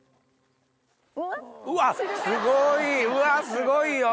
うわっすごいうわすごいよ。